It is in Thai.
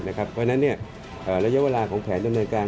เพราะฉะนั้นระยะเวลาของแผนดำเนินการ